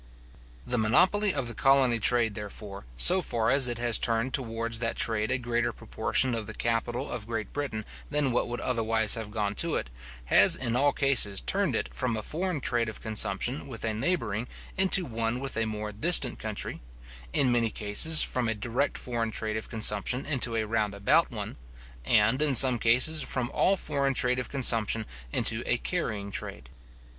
The monopoly of the colony trade, therefore, so far as it has turned towards that trade a greater proportion of the capital of Great Britain than what would otherwise have gone to it, has in all cases turned it, from a foreign trade of consumption with a neighbouring, into one with a more distant country; in many cases from a direct foreign trade of consumption into a round about one; and, in some cases, from all foreign trade of consumption into a carrying trade.